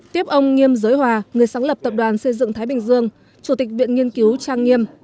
tiếp ông nghiêm giới hòa người sáng lập tập đoàn xây dựng thái bình dương chủ tịch viện nghiên cứu trang nghiêm